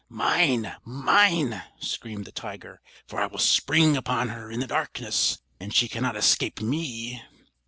"Mine! mine!" screamed the tiger; "for I will spring upon her in the darkness, and she cannot escape me!"